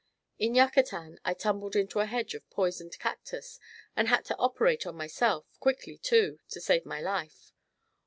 In Yucatan I tumbled into a hedge of poisoned cactus and had to operate on myself quickly, too to save my life.